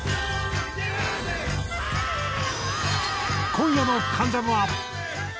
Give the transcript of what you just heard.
今夜の『関ジャム』は。